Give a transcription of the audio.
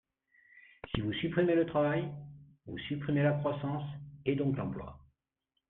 Si vous supprimez le travail, vous supprimez la croissance, et donc l’emploi.